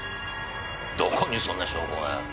どこにそんな証拠がある。